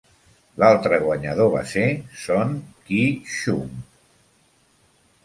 L'altre guanyador va ser Sohn Kee-chung.